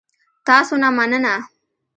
تاسو نه مننه